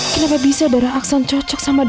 kenapa bisa darah aksan cocok sama darah